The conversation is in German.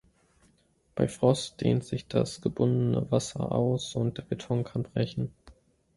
Bei Frost dehnt sich das gebundene Wasser aus und der Beton kann brechen.